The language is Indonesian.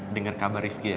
dengar kabar ifg ya